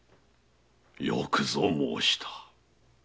よくぞ申した。